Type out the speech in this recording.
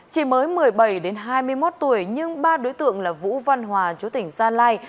chỉ mới một mươi bảy hai mươi một tuổi nhưng ba đối tượng là vũ văn hòa chú tỉnh gia lai